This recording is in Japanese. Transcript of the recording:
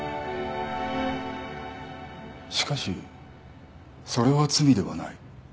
しかしそれは罪ではない。